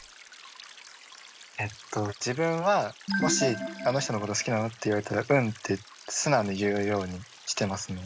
えっと自分はもし「あの人のこと好きなの？」って言われたら「うん」って素直に言うようにしてますね。